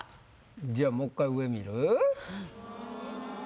じゃあもう１回上見る？